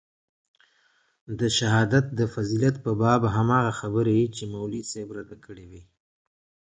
د شهادت د فضيلت په باب هماغه خبرې چې مولوي صاحب راته کړې وې.